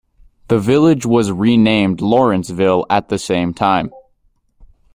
The village was renamed Lawrenceville at the same time.